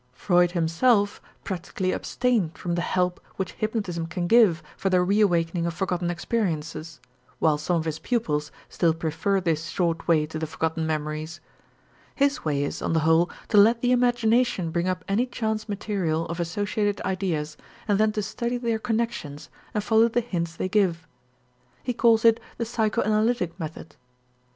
Freud himself practically abstained from the help which hypnotism can give for the reawakening of forgotten experiences, while some of his pupils still prefer this short way to the forgotten memories. His way is, on the whole, to let the imagination bring up any chance material of associated ideas and then to study their connections and follow the hints they give. He calls it the psychoanalytic method.